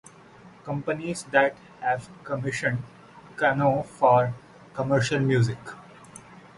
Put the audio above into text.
Companies that have commissioned Kanno for commercial music.